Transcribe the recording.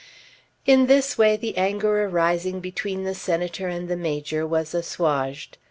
In this way the anger arising between the Senator and the Major was assuaged.